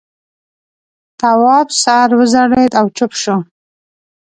تواب سر وځړېد او چوپ شو.